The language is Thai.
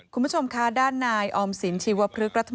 คุณผู้ชมค่ะด้านนายออมสินที่หวัดพุธภาษามาสองต่าง